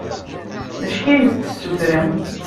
D acu i as-d-tessutrem?